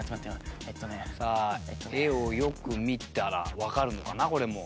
さあ絵をよく見たらわかるのかなこれも。